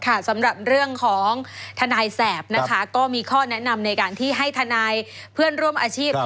สำหรับเรื่องของทนายแสบนะคะก็มีข้อแนะนำในการที่ให้ทนายเพื่อนร่วมอาชีพ